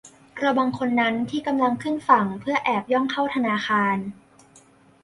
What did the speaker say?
ระวังคนนั้นที่กำลังขึ้นฝั่งเพื่อแอบย่องเข้าธนาคาร